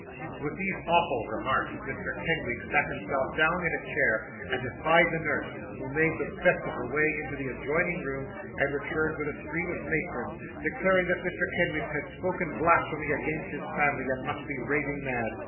With these awful remarks, Mr. Kenwigs sat himself down in a chair, and defied the nurse, who made the best of her way into the adjoining room, and returned with a stream of matrons: declaring that Mr. Kenwigs had spoken blasphemy against his family, and must be raving mad.